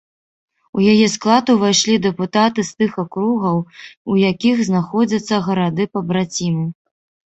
У яе склад увайшлі дэпутаты з тых акругаў, у якіх знаходзяцца гарады-пабрацімы.